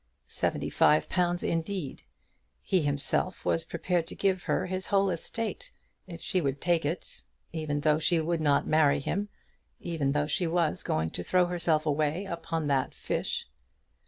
Seventy five pounds indeed! He himself was prepared to give his whole estate to her, if she would take it, even though she would not marry him, even though she was going to throw herself away upon that fish!